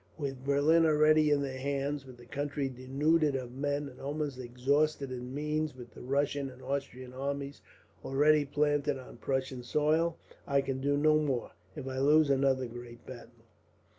With Berlin already in their hands, with the country denuded of men and almost exhausted in means, with the Russian and Austrian armies already planted on Prussian soil, I can do no more, if I lose another great battle."